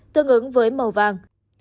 tương ứng với màu vàng